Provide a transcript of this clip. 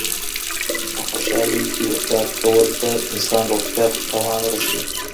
په خوشحالۍ کي افراط کول د انسان روغتیا ته تاوان رسوي.